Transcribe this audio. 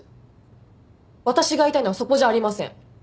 私が言いたいのはそこじゃありません。